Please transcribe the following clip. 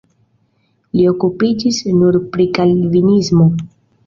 Li okupiĝis nur pri kalvinismo.